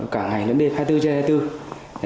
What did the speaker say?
cảng hành lẫn đêm hai mươi bốn trên hai mươi bốn